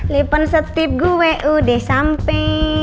lepon setip gue udah sampai